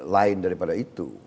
lain daripada itu